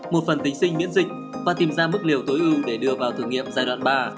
một phần tính sinh miễn dịch và tìm ra mức liều tối ưu để đưa vào thử nghiệm giai đoạn ba